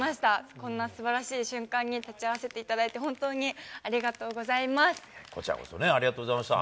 こんな素晴らしい瞬間に立ち会わせていただいて、本当にありがとこちらこそね、ありがとうございました。